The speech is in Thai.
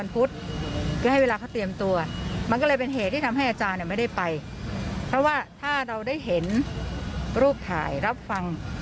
เราได้เห็นรูปถ่ายรับฟัง